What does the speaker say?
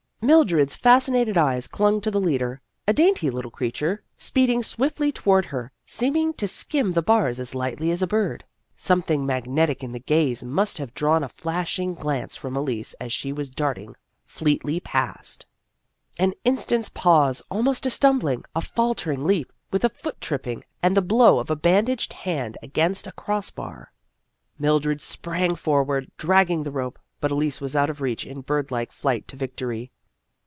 Mil dred's fascinated eyes clung to the leader a dainty little creature speeding swiftly 174 Vassar Studies toward her, seeming to skim the bars as lightly as a bird. Something magnetic in the gaze must have drawn a flashing glance from Elise as she was darting fleetly past. An in stant's pause, almost a stumbling, a falter ing leap, with a foot tripping, and the blow of a bandaged hand against a cross bar. Mildred sprang forward, dragging the rope, but Elise was out of reach in bird like flight to victory.